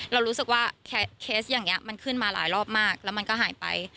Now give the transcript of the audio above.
เรารู้สึกว่าเคสอย่างนี้มันขึ้นมาหลายรอบมากแล้วมันก็หายไป